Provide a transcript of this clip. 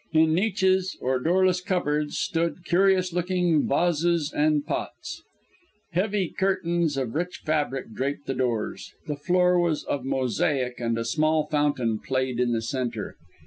In niches, or doorless cup boards; stood curious looking vases and pots. Heavy curtains of rich fabric draped the doors. The floor was of mosaic, and a small fountain played in the centre.